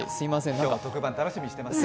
今日は特番、楽しみにしています。